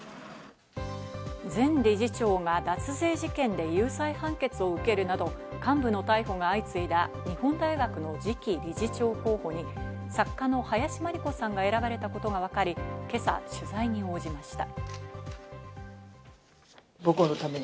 前理事長が脱税事件で有罪判決を受けるなど幹部の逮捕が相次いだ日本大学の次期理事長候補に、作家の林真理子さんが選ばれたことがわかり、今朝取材に応じました。